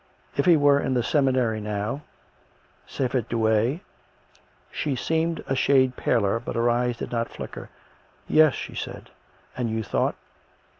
If he were in the seminary now, safe at Douay " She seemed a shade paler, but her eyes did not flicker. " Yes," she said. " And you thought